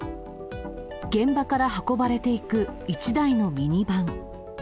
現場から運ばれていく１台のミニバン。